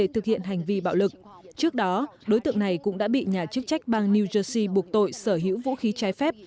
trước đó đối tượng này cũng đã bị nhà chức trách bang new jersey buộc tội sở hữu vũ khí trái phép